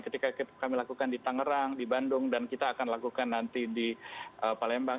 ketika kami lakukan di tangerang di bandung dan kita akan lakukan nanti di palembang